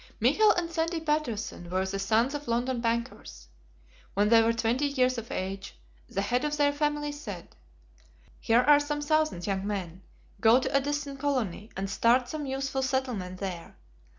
Michael and Sandy Patterson were the sons of London bankers. When they were twenty years of age, the head of their family said, "Here are some thousands, young men. Go to a distant colony; and start some useful settlement there.